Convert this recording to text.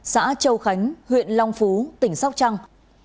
xã châu khánh huyện long phú tỉnh sóc trăng